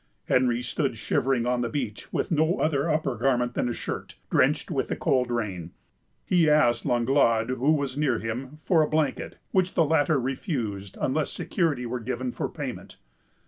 Henry stood shivering on the beach, with no other upper garment than a shirt, drenched with the cold rain. He asked Langlade, who was near him, for a blanket, which the latter refused unless security were given for payment.